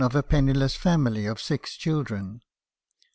31 a penniless family of six children.